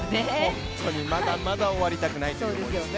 まだまだ終わりたくないという思いですね。